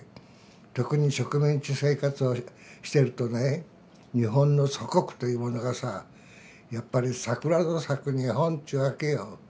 特に植民地生活をしてるとね日本の祖国というものがさやっぱり桜の咲く日本っていうわけよ。